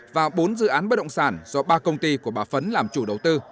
vào bốn dự án bất động sản do ba công ty của bà phấn làm chủ đầu tư